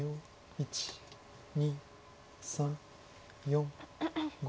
１２３４５。